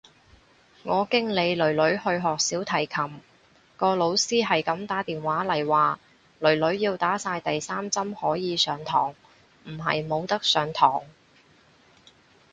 我經理囡囡去學小提琴，個老師係咁打電話嚟話，囡囡要打晒第三針可以上堂，唔係冇得上堂。